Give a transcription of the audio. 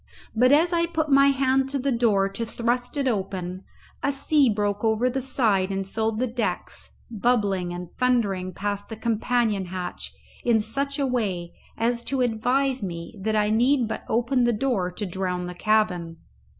But as I put my hand to the door to thrust it open a sea broke over the side and filled the decks, bubbling and thundering past the companion hatch in such a way as to advise me that I need but open the door to drown the cabin.